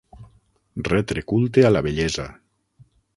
Retre culte a la bellesa.